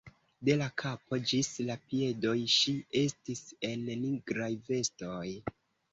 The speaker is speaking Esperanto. De la kapo ĝis la piedoj ŝi estis en nigraj vestoj.